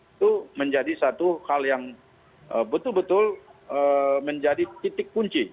itu menjadi satu hal yang betul betul menjadi titik kunci